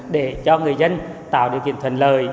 để cho người dân tạo điều kiện thuần lời